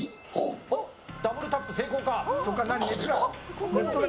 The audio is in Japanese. ダブルタップ成功か。